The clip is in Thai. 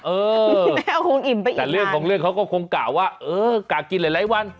เออแต่เรื่องของเรื่องเขาก็คงกะว่าเออกะกินหลายวัน